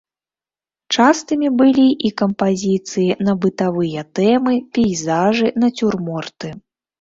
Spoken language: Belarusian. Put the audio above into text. Частымі былі і кампазіцыі на бытавыя тэмы, пейзажы, нацюрморты.